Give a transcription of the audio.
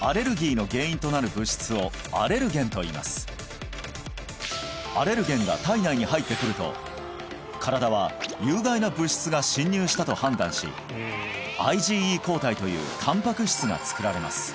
アレルギーの原因となる物質をアレルゲンといいますアレルゲンが体内に入ってくると身体は有害な物質が侵入したと判断しＩｇＥ抗体というタンパク質が作られます